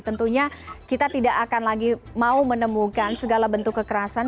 tentunya kita tidak akan lagi mau menemukan segala bentuk kekerasan